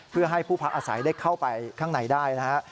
เพื่อให้ผู้พักอาศัยได้เข้าไปข้างในได้นะฮะ